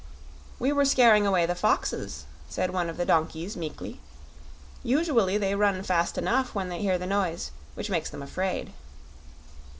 "We were scaring away the foxes," said one of the donkeys, meekly. "Usually they run fast enough when they hear the noise, which makes them afraid."